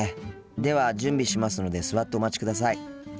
では準備しますので座ってお待ちください。